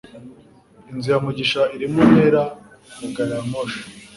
inzu ya mugisha iri mu ntera ya gariyamoshi